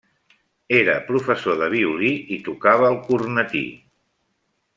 Era professor de violí, i tocava el cornetí.